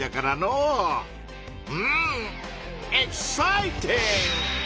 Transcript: うんエキサイティング！